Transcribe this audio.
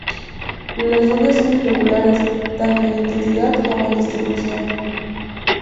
La lluvias son irregulares, tanto en intensidad como en distribución.